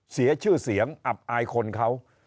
เสียชื่อเสียงอับอายคนเขา